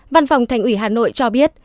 văn phòng thành ủy hà nội cho biết